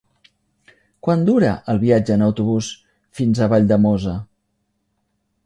Quant dura el viatge en autobús fins a Valldemossa?